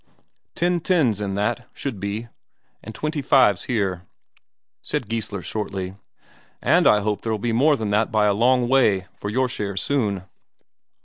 "Ten tens in that should be, and twenty fives here," said Geissler shortly. "And I hope there'll be more than that by a long way for your share soon."